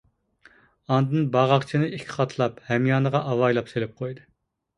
ئاندىن باغاقچىنى ئىككى قاتلاپ ھەميانىغا ئاۋايلاپ سېلىپ قويدى.